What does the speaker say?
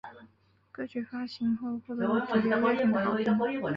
歌曲发行后获得了主流乐评的好评。